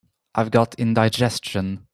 I've got indigestion.